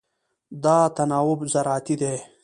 دا تناوب زراعتي دی.